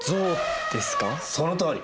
そのとおり。